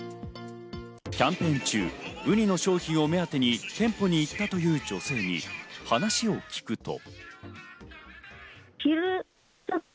キャンペーン中、ウニの商品を目当てに店舗に行ったという女性に話を聞くと。